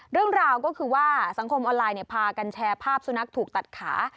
เรื่องราวก็คือว่าสังคมออนไลน์พากันแชร์ภาพสุนัขถูกตัดขา